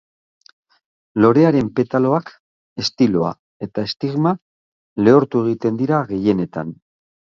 Lorearen petaloak, estiloa eta estigma lehortu egiten dira gehienetan.